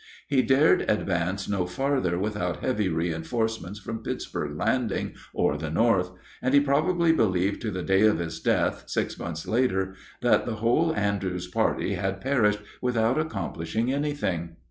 He dared advance no farther without heavy reinforcements from Pittsburg Landing or the north; and he probably believed to the day of his death, six months later, that the whole Andrews party had perished without accomplishing anything.